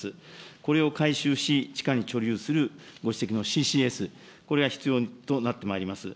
これを回収し、地下に貯留するご指摘のＣＣＳ、これが必要となってまいります。